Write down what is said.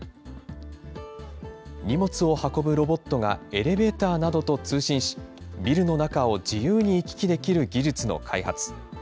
荷物を運ぶロボットがエレベーターなどと通信し、ビルの中を自由に行き来できる技術の開発。